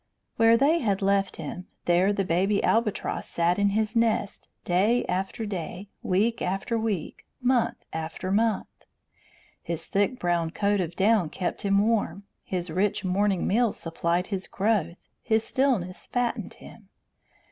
Where they had left him, there the baby albatross sat in his nest, day after day, week after week, month after month. His thick brown coat of down kept him warm, his rich morning meals supplied his growth, his stillness fattened him.